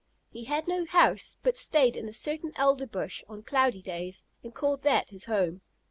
He had no house, but stayed in a certain elder bush on cloudy days and called that his home.